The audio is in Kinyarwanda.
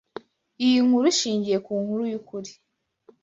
Iyi nkuru ishingiye ku nkuru yukuri.